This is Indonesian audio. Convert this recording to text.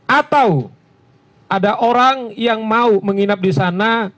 atau ada orang yang mau menginap disana